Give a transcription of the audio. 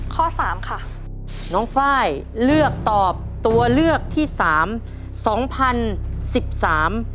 ข้อสามค่ะน้องไฟล์เลือกตอบตัวเลือกที่สามสองพันสิบสาม